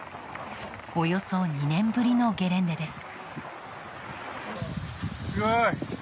およそ２年ぶりのゲレンデです。